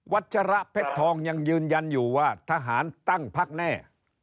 วัตทรปกรรมยังยืนยันอยู่ว่าทหารตั้งพักแน่